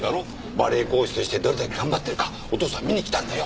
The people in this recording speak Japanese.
バレエ講師としてどれだけ頑張ってるかお父さん見に来たんだよ